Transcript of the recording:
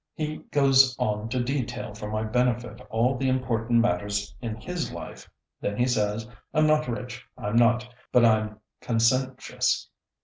He goes on to detail for my benefit all the important matters in his life. Then he says, "I'm not rich, I'm not, but I'm consentious.